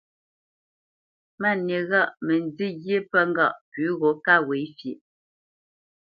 Máni ghâʼ mə nzî ghyé pə ŋgâʼ pʉ̌ gho ká ghwě fyeʼ.